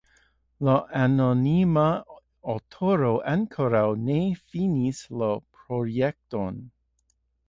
La anonima aŭtoro ankoraŭ ne finis la projekton.